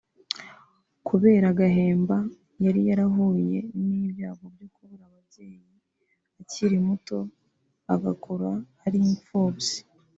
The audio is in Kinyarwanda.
kubera Gahemba yari yarahuye n’ibyago byo kubura ababyeyi akiri muto agakura ari imfubyi